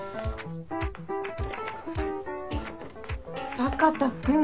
坂田君